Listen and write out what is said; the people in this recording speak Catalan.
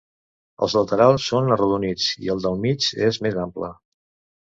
Els laterals són arrodonits, i el del mig és més ample.